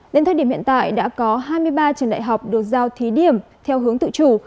đến thời điểm hiện tại đã có hai mươi ba trường đại học được giao thí điểm theo hướng tự chủ